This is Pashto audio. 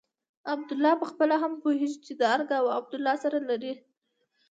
عبدالله پخپله هم پوهېږي چې ارګ او عبدالله سره لرې دي.